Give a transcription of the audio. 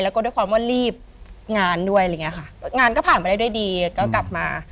แล้วก็ด้วยความว่ารีบงานด้วยอะไรอย่างเงี้ยค่ะงานก็ผ่านไปได้ด้วยดีก็กลับมา